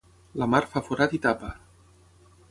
La mar fa forat i tapa